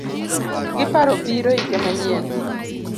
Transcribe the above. Giparo biro iga manyien